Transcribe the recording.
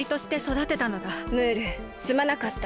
ムールすまなかった。